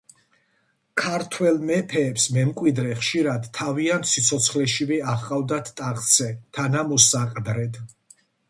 ქართველ მეფეებს მემკვიდრე ხშირად თავიანთ სიცოცხლეშივე აჰყავდათ ტახტზე „თანამოსაყდრედ“.